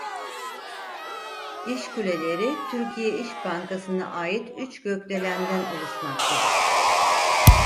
İş Kuleleri Türkiye İş Bankası'na ait üç gökdelenden oluşmaktadır.